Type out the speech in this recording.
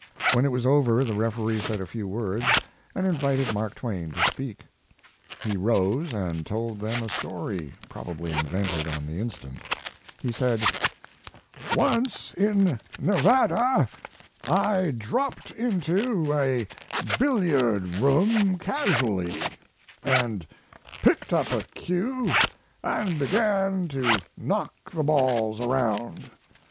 When it was over the referee said a few words and invited Mark Twain to speak. He rose and told them a story probably invented on the instant. He said: "Once in Nevada I dropped into a billiard room casually, and picked up a cue and began to knock the balls around.